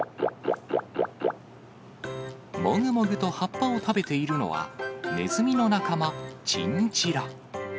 もぐもぐと葉っぱを食べているのは、ネズミの仲間、チンチラ。